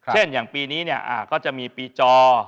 เช่นอย่างปีนี้เนี่ยอ่าก็จะมีปีจอ